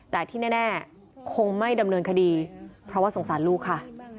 แต่ที่แน่คงไม่ดำเนินคดีเพราะว่าสงสารลูกค่ะ